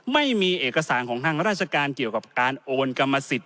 ไม่มีเอกสารของทางราชการเกี่ยวกับการโอนกรรมสิทธิ